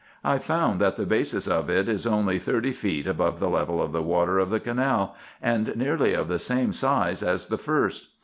I found that the basis of it is only thirty feet above the level of the water of the canal, and nearly of the same size as the first.